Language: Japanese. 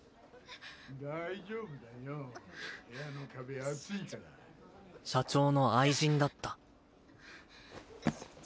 大丈夫だよ・部屋の壁厚いから・社長社長の愛人だった・はぁ社長。